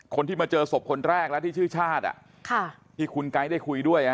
คนที่มาเจอศพคนแรกแล้วที่ชื่อชาติที่คุณไก๊ได้คุยด้วย